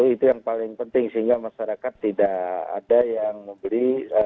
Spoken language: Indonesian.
itu yang paling penting sehingga masyarakat tidak ada yang membeli